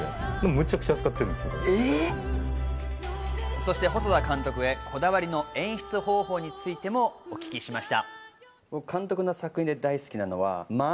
そして細田監督へこだわりの演出方法についてもお聞きしました。